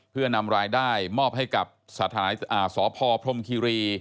เพื่อนำรายได้มอบให้กับสถานศาสตร์อ่าสพพรมคิรี